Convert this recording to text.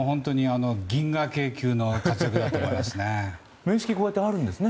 銀河系級の活躍だと思いますね。